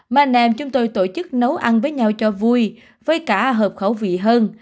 mà nèm chúng tôi tổ chức nấu ăn với nhau cho vui với cả hợp khẩu vị hơn